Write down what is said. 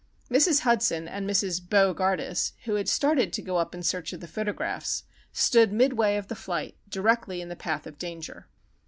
_" Mrs. Hudson and Mrs. Bo gardus, who had started to go up in search of the photographs, stood midway of the flight, directly in the path of danger.